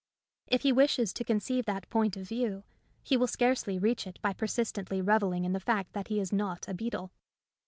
If he wishes to conceive that point of view, he will scarcely reach it by per sistently revelling in the fact that he is not A Defence of Humility a beetle.